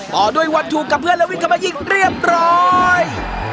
ต่อด้วย๑๒กับเพื่อนและวิ่งเข้ามายิ่งเรียบร้อย